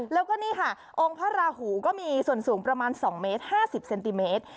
แล้วก็นี่ค่ะองค์พระราหูก็มีส่วนสูงประมาณ๒เมตร๕๐เซนติเมตร